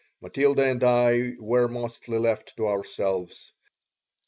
Matilda and I were mostly left to ourselves.